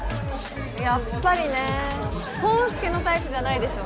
やっぱりね康祐のタイプじゃないでしょ